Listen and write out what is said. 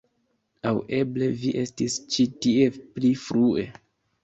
Aŭ eble vi estis ĉi tie pli frue?